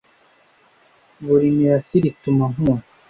buri mirasire ituma nkunda